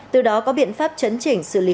từ đó có biện pháp chấn chỉnh xử lý